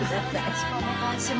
よろしくお願いします。